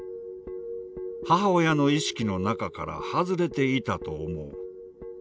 母の意識の中から外れていたと思う。